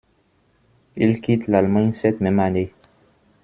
Il quitte l'Allemagne cette même année.